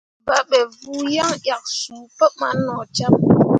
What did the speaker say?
Pabe vuu yaŋ ʼyak suu pǝɓan nocam.